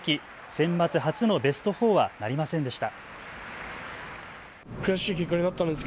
センバツ初のベスト４はなりませんでした。